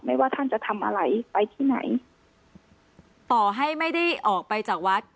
ว่าท่านจะทำอะไรไปที่ไหนต่อให้ไม่ได้ออกไปจากวัด